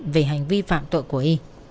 về hành vi phạm tội của y